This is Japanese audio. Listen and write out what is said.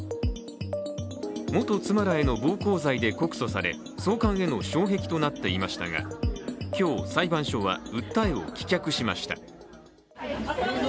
元妻らへの暴行罪で告訴され召還への障壁となっていましたが今日、裁判所は訴えを棄却しました。